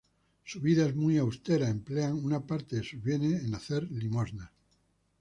Su vida es muy austera, emplean una parte de sus bienes en hacer limosnas.